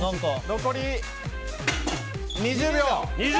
残り２０秒。